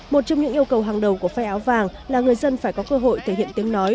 một trong những yêu cầu hàng đầu của phai áo vàng là người dân phải có cơ hội thể hiện tiếng nói